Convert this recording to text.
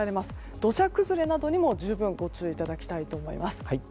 土砂崩れなどにも、十分ご注意いただきたいと思います。